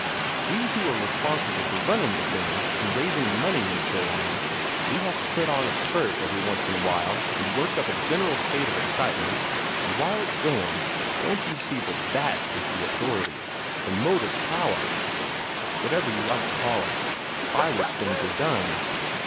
We who are responsible for running the thing, and raising the money and so on we have to put on a spurt every once in a while, and work up a general state of excitement; and while it's going, don't you see that THAT is the authority, the motive power, whatever you like to call it, by which things are done?